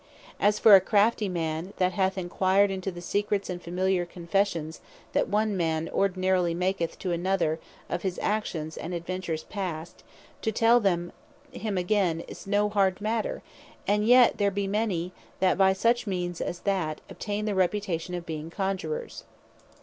And for a crafty man, that hath enquired into the secrets, and familiar confessions that one man ordinarily maketh to another of his actions and adventures past, to tell them him again is no hard matter; and yet there be many, that by such means as that, obtain the reputation of being Conjurers.